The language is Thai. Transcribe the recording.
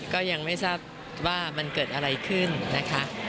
ก็ยังไม่ทราบว่ามันเกิดอะไรขึ้นนะคะ